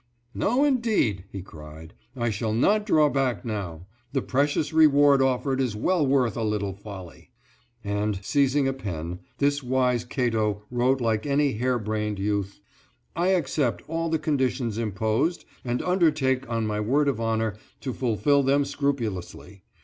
"No, indeed," he cried, "I shall not draw back now; the precious reward offered is well worth a little folly." And, seizing a pen, this wise Cato wrote like any harebrained youth: "I accept all the conditions imposed, and undertake on my word of honor to fulfil them scrupulously.